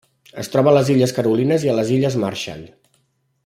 Es troba a les Illes Carolines i a les Illes Marshall.